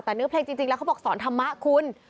แต่เนื้อเพลงจริงแล้วเขาบอกสอนธรรมะคุณ